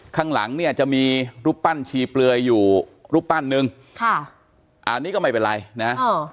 ข้างหลังเนี่ยจะมีรูปปั้นชีเปลือยอยู่รูปปั้นหนึ่งค่ะอันนี้ก็ไม่เป็นไรนะเออ